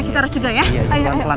kita harus cegah ya